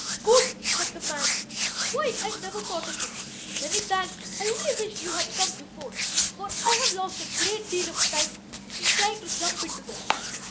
"Good," said the man. "Why, I never thought of it! Many thanks. I only wish you had come before, for I have lost a great deal of time in trying to jump into them."